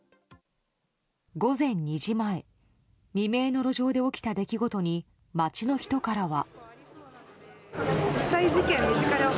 午前２時前未明の路上で起きた出来事に街の人からは。